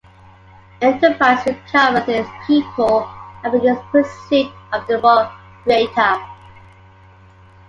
"Enterprise" recovers its people and begins pursuit of the rogue freighter.